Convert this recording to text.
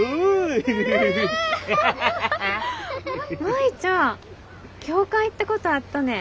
舞ちゃん教会行ったことあっとね？